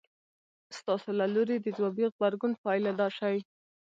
ستاسې له لوري د ځوابي غبرګون پايله دا شي.